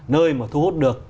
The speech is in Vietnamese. nơi mà thu hút được